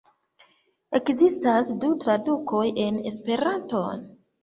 Ekzistas du tradukoj en Esperanton.